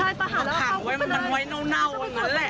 ใช่ประหารแล้วเข้าไปมันไว้เน่าวันนั้นแหละ